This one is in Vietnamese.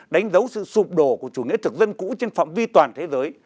đánh dấu sự sụp đổ của chủ nghĩa thực dân cũ trên phạm vi toàn thế giới